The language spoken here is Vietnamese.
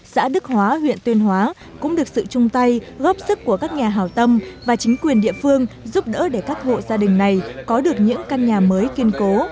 xã đức hóa huyện tuyên hóa cũng được sự chung tay góp sức của các nhà hào tâm và chính quyền địa phương giúp đỡ để các hộ gia đình này có được những căn nhà mới kiên cố